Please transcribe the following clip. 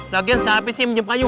lagian siapa sih yang minyam payung